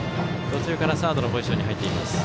途中からサードのポジションに入っています。